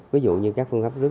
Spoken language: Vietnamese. ví dụ như các phương pháp trước